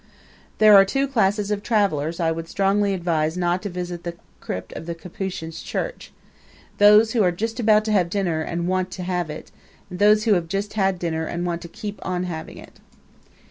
There are two classes of travelers I would strongly advise not to visit the crypt of the Capuchins' Church those who are just about to have dinner and want to have it, and those who have just had dinner and want to keep on having it.